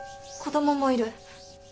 子どももいる。